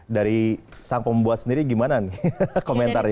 dari sang pembuat sendiri gimana nih komentarnya